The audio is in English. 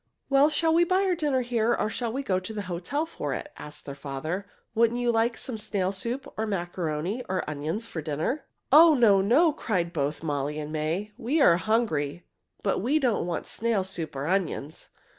"Well, shall we buy our dinner here, or shall we go to the hotel for it?" asked their father. "Wouldn't you like some snail soup, or macaroni, or onions for dinner?" "Oh, no, no!" cried both Molly and May. "We are hungry, but we don't want snail soup or onions."